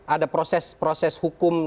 ada proses proses hukum